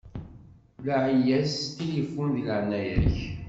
Laɛi-yas s tilifun di leɛnaya-k.